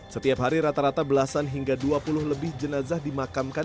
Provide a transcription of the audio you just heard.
setiap hari rata rata belasan hingga dua puluh lebih jenazah dimakamkan